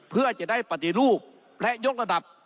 เพื่อจะได้ปฏิรูปและยกระดับ